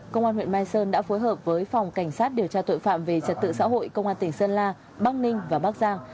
công an huyện mai sơn đã phối hợp với phòng cảnh sát điều tra tội phạm về trật tự xã hội công an tỉnh sơn la bắc ninh và bắc giang